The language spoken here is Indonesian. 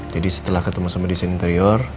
jadi setelah ketemu sama desain interior